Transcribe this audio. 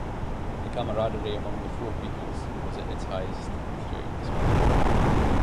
The camaraderie among the four Beatles was at its highest throughout this period.